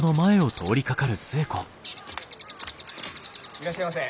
いらっしゃいませ。